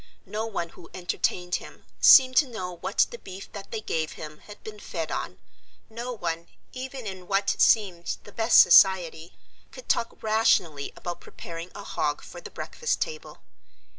No one who entertained him seemed to know what the beef that they gave him had been fed on; no one, even in what seemed the best society, could talk rationally about preparing a hog for the breakfast table.